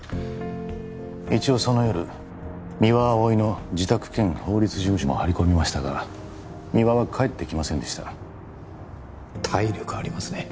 一応その夜三輪碧の自宅兼法律事務所も張り込みましたが三輪は帰ってきませんでした体力ありますね